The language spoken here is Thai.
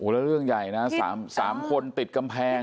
แล้วเรื่องใหญ่นะ๓คนติดกำแพง